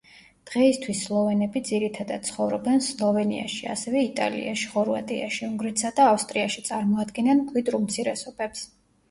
დღეისთვის სლოვენები ძირითადად ცხოვრობენ სლოვენიაში, ასევე იტალიაში, ხორვატიაში, უნგრეთსა და ავსტრიაში წარმოადგენენ მკვიდრ უმცირესობებს.